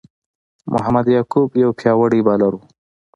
محمد یعقوب یو پياوړی بالر وو.